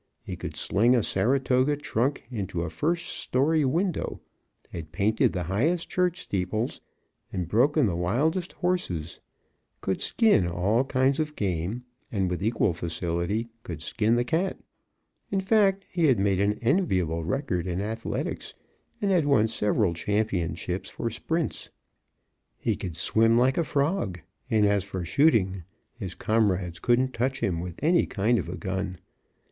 He could sling a Saratoga trunk into a first story window; had painted the highest church steeples, and broken the wildest horses; could skin all kinds of game, and, with equal facility, could "skin the cat;" in fact, he had made an enviable record in athletics, and had won several championships for sprints. He could swim like a frog, and, as for shooting, his comrades couldn't touch him with any kind of a gun.